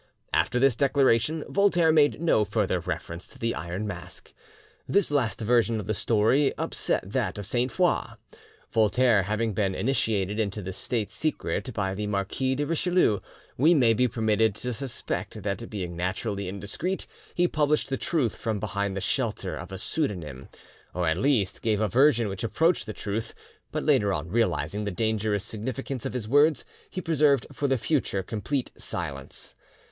After this declaration Voltaire made no further reference to the Iron Mask. This last version of the story upset that of Sainte Foix. Voltaire having been initiated into the state secret by the Marquis de Richelieu, we may be permitted to suspect that being naturally indiscreet he published the truth from behind the shelter of a pseudonym, or at least gave a version which approached the truth, but later on realising the dangerous significance of his words, he preserved for the future complete silence.